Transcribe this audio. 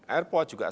airport juga sama